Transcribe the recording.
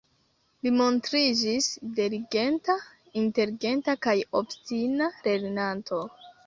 Li montriĝis diligenta, inteligenta kaj obstina lernanto.